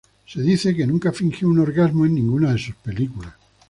Se dice que nunca fingió un orgasmo en ninguna de sus películas.